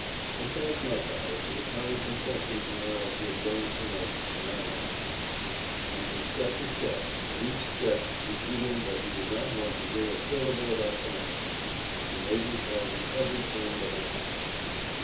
I thanked my father for the kind concessions he now appeared willing to make for my happiness, and from step to step, at each step repeating that he did not want to hear a syllable about the matter, he made me tell him every thing that had passed.